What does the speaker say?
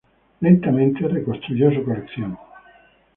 Lentamente, reconstruyó su colección.